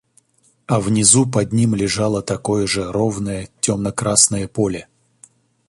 А внизу под ним лежало такое же ровное темно-красное поле.